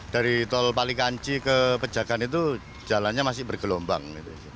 dari tol pali kanci ke pejakan itu jalannya masih bergelombang